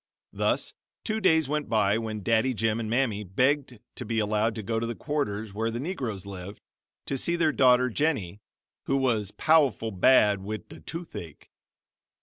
Thus two days went by, when Daddy Jim and Mammy begged to be allowed to go to the quarters where the Negroes lived, to see their daughter, "Jennie, who was pow'ful bad wid the toothache."